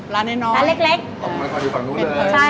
ร้านใหญ่